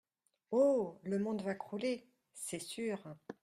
Oh ! le monde va crouler, c'est sûr.